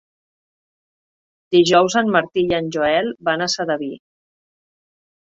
Dijous en Martí i en Joel van a Sedaví.